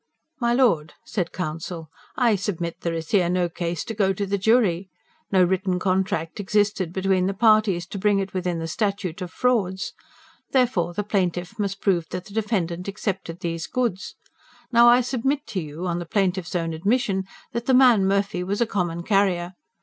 "My Lord," said counsel, "I submit there is here no case to go to the jury. No written contract existed between the parties, to bring it within the Statute of Frauds. Therefore, the plaintiff must prove that the defendant accepted these goods. Now I submit to you, on the plaintiff's own admission, that the man Murphy was a common carrier.